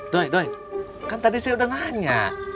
doi doi kan tadi saya udah nanya